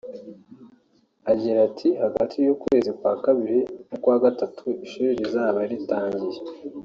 Agira ati “Hagati y’ukwezi kwa kabiri n’ukwa gatatu ishuri rizaba ryatangiye